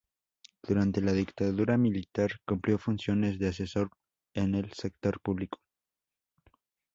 Durante la dictadura militar cumplió funciones de asesor en el sector público.